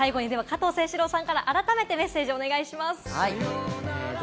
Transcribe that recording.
最後に加藤清史郎さんから皆さんに改めてメッセージをお願いします。